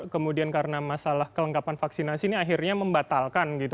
kemudian karena masalah kelengkapan vaksinasi ini akhirnya membatalkan gitu